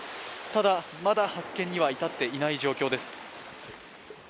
ただ、まだ発見には至っていない状況です。